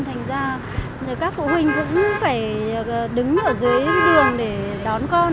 thành ra các phụ huynh cũng phải đứng ở dưới đường để đón con